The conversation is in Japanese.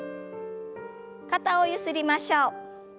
肩をゆすりましょう。